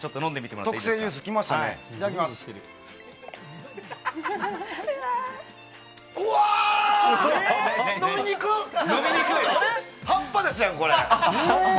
葉っぱですやん、これ！